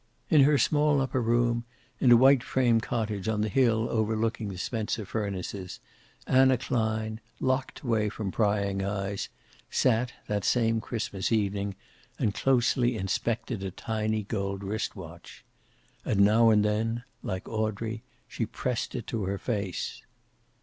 In her small upper room, in a white frame cottage on the hill overlooking the Spencer furnaces, Anna Klein, locked away from prying eyes, sat that same Christmas evening and closely inspected a tiny gold wrist watch. And now and then, like Audrey, she pressed it to her face.